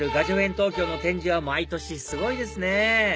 東京の展示は毎年すごいですね